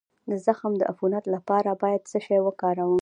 د زخم د عفونت لپاره باید څه شی وکاروم؟